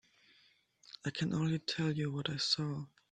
I can only tell you what I saw.